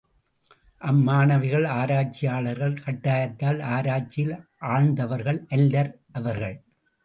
அம்மாணவிகள், ஆராய்ச்சியாளர்கள், கட்டாயத்தால் ஆராய்ச்சியில் ஆழ்ந்தவர்கள் அல்லர் அவர்கள்.